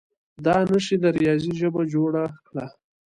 دا نښې د ریاضي ژبه جوړه کړه.